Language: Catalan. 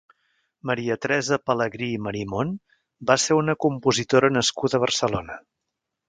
Maria Teresa Pelegrí i Marimon va ser una compositora nascuda a Barcelona.